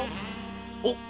おっ。